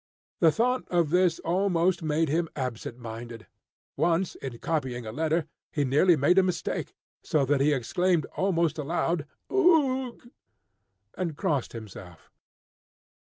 The thought of this almost made him absent minded. Once, in copying a letter, he nearly made a mistake, so that he exclaimed almost aloud, "Ugh!" and crossed himself.